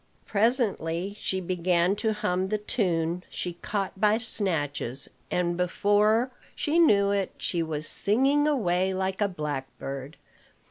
Presently she began to hum the tune she caught by snatches; and, before she knew it, she was singing away like a blackbird.